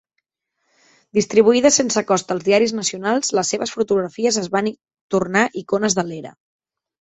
Distribuïdes sense cost als diaris nacionals, les seves fotografies es van tornar icones de l'era.